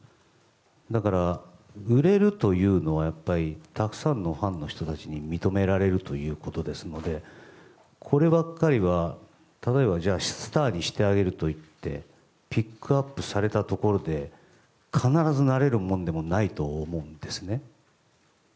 だから、売れるというのはたくさんのファンの方たちに認められるということですのでこればかりは、例えばじゃあスターにしてあげるといってピックアップされたところで必ずなれるものでもないと思うんですね。